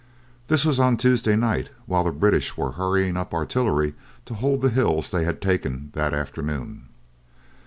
This was on Tuesday night, while the British were hurrying up artillery to hold the hills they had taken that afternoon.